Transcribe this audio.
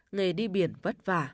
nghề đi biển vất vả